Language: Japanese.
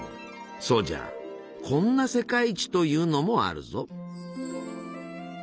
そうじゃこんな「世界一」というのもあるぞ。